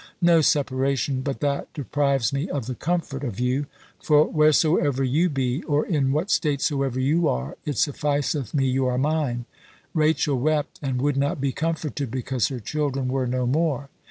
No separation but that deprives me of the comfort of you. For wheresoever you be, or in what state soever you are, it sufficeth me you are mine! _Rachel wept, and would not be comforted, because her children were no more.